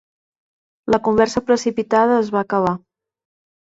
La conversa precipitada es va acabar.